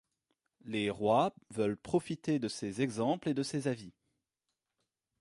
Les rois veulent profiter de ses exemples et de ses avis.